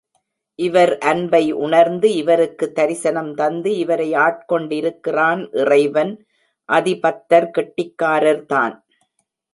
இவர் அன்பை உணர்ந்து இவருக்குத் தரிசனம் தந்து இவரை ஆட்கொண்டிருக்கிறான் இறைவன், அதிபத்தர் கெட்டிக்காரர்தான்.